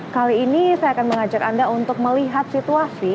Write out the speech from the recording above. kali ini saya akan mengajak anda untuk melihat situasi